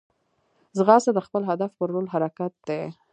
ځغاسته د خپل هدف پر لور حرکت دی